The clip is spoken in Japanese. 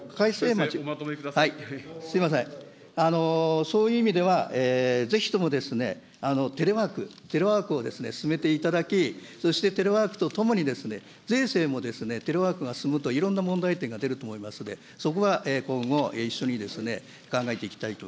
すみません、そういう意味では、ぜひともテレワーク、テレワークを進めていただき、そしてテレワークとともに、税制もテレワークが進むといろんな問題点が出ると思いますので、そこが今後、一緒に考えていきたいと。